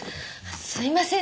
すいません